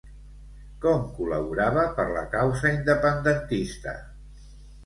Com col·laborava per la causa independentista?